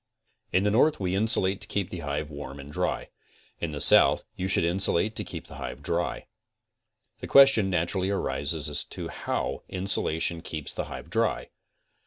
In the north we insulate to keep the hive warm and dry. In the south you should insulate to keep the hive dry. The question naturally arises as to how insulation keeps the hive dry.